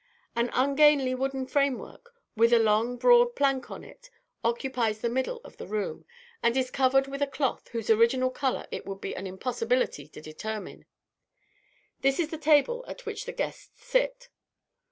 An ungainly wooden framework, with a long broad plank on it, occupies the middle of the room, and is covered with a cloth whose original colour it would be an impossibility to determine. This is the table at which the guests sit.